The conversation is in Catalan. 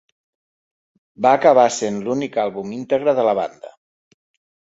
Va acabar sent l'únic àlbum íntegre de la banda.